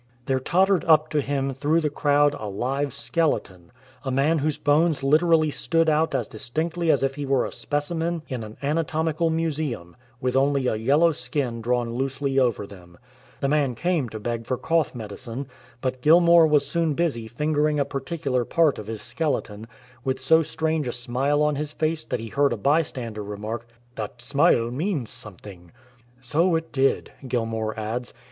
There tottered up to him through the crowd a live skeleton — a man whose bones literally stood out as dis tinctly as if he were a specimen in an anatomical museun), with only a yellow skin drawn loosely over thenh The man came to beg for cough medicine, but Gilmour was soon busy fingering a particular part of his skeleton, with so strange a smile on his face that he heard a by stander remark, "That smile means something." "So it did," Gilmour adds.